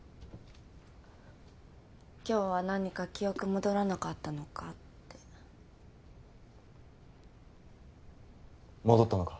今日は何か記憶戻らなかったのかって。